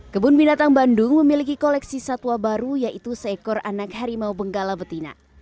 kebun binatang bandung memiliki koleksi satwa baru yaitu seekor anak harimau benggala betina